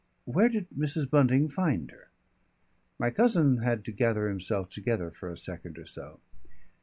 "Where did Mrs. Bunting find her." My cousin had to gather himself together for a second or so.